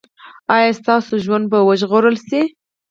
ایا ستاسو ژوند به وژغورل شي؟